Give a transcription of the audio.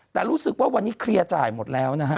แต่รู้สึกว่าวันนี้เคลียร์จ่ายหมดแล้วนะฮะ